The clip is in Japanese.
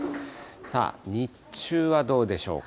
さあ、日中はどうでしょうか。